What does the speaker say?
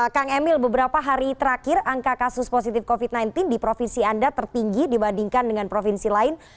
kang emil beberapa hari terakhir angka kasus positif covid sembilan belas di provinsi anda tertinggi dibandingkan dengan provinsi lain